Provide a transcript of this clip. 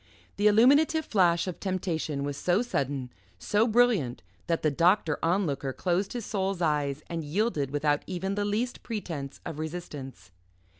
The illuminative flash of temptation was so sudden, so brilliant, that the Doctor Onlooker closed his soul's eyes and yielded without even the least pretence of resistance.